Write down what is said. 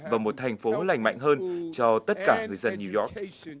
và một thành phố lành mạnh hơn cho tất cả người dân new york